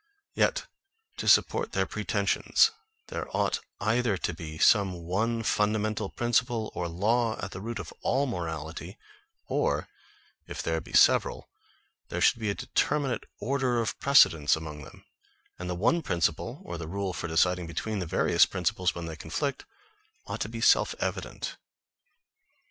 Yet to support their pretensions there ought either to be some one fundamental principle or law, at the root of all morality, or if there be several, there should be a determinate order of precedence among them; and the one principle, or the rule for deciding between the various principles when they conflict, ought to be self evident.